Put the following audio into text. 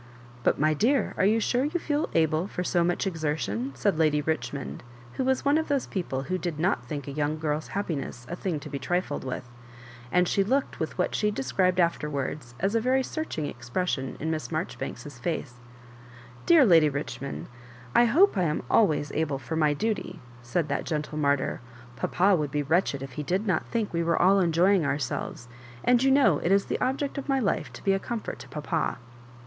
" But, my dear, are you sure you feel able for so much exertion ?" said Lady Richmond, w4io was one of those people who did not think a young girl's happiness a thing to be trifled with ; and she looked with what she described afterwards as a very searching expression in Miss Marjoribanks*s face. '* Dear Lady Richmond, I hope I am always able for my duty," said that gentle martyr, " Papa would be wretched if he did not think we were all enjoying ourselves ; and you know it is the object of my life to be a comfort to papa."